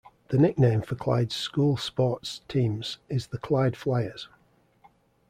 The nickname for Clyde's school sports teams is the Clyde Fliers.